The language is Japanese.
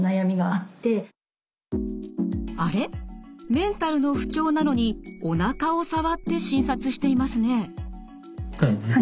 メンタルの不調なのにおなかを触って診察していますね。